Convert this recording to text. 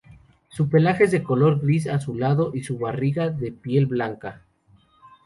Su pelaje es de color gris azulado y su barriga de piel blanca.